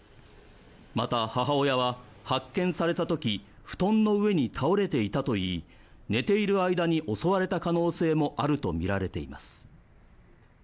また、母親は発見された時布団の上に倒れていたといい寝ている間に襲われた可能性もあるとみられています。